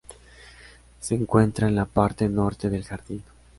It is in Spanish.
Se encuentra en la parte norte del jardín.